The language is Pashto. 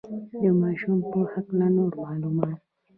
د ماشو په هکله نور معلومات.